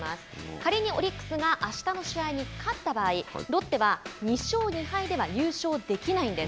仮にオリックスがあしたの試合に勝った場合ロッテは２勝２敗では優勝できないんです。